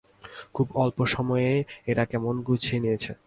খুব অল্প সময়েই এরা কেমন গুছিয়ে নিয়েছে।